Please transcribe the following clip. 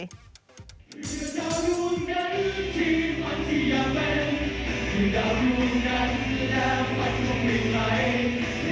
เพื่อดาวน์อยู่ในนั้นที่มันที่อยากเป็นเพื่อดาวน์อยู่นั้นแล้วมันต้องเป็นใคร